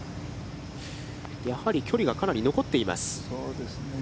やはり距離がかなり残っています。